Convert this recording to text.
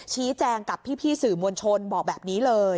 ชี้แจงกับพี่สื่อมวลชนบอกแบบนี้เลย